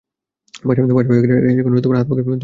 পাঁচটা বাজিয়া গেছে, এখনো হাতমুখ-ধোয়া কাপড়-ছাড়া হইল না?